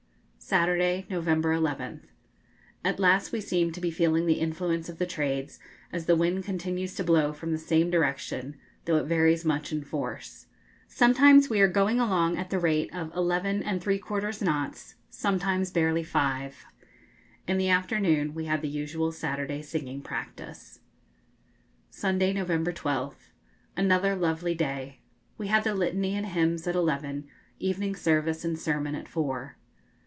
Saturday, November 11th. At last we seem to be feeling the influence of the trades, as the wind continues to blow from the same direction, though it varies much in force. Sometimes we are going along at the rate of 11 3/4 knots, sometimes barely five. In the afternoon we had the usual Saturday singing practice. Sunday, November 12th. Another lovely day. We had the Litany and hymns at eleven, evening service and sermon at four.